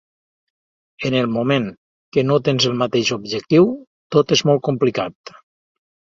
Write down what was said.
En el moment que no tens el mateix objectiu, tot és molt complicat.